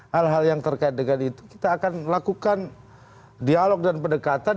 hal hal yang terkait dengan itu kita akan lakukan dialog dan pendekatan